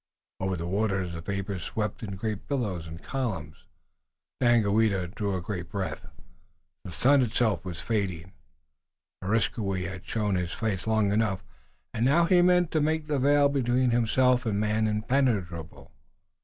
Over the waters the vapors swept in great billows and columns. Daganoweda drew a great breath. The sun itself was fading. Areskoui had shown his face long enough and now he meant to make the veil between himself and man impenetrable.